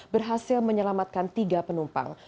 berhasil menyelamatkan tiga penumpang